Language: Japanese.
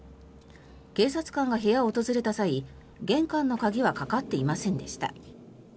警察官が部屋を訪れた際玄関の鍵はかかっていませんでした。